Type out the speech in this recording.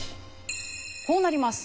こうなります。